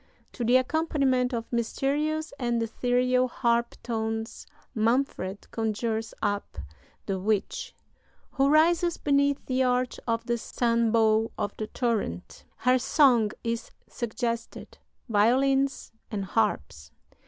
To the accompaniment of mysterious and ethereal harp tones Manfred conjures up the witch, "who rises beneath the arch of the sunbow of the torrent." Her song is suggested (violins and harps).